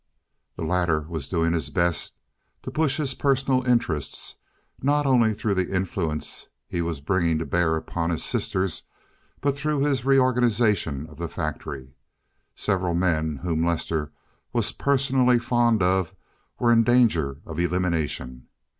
The latter was doing his best to push his personal interests, not only through the influence he was bringing to bear upon his sisters, but through his reorganization of the factory. Several men whom Lester was personally fond of were in danger of elimination.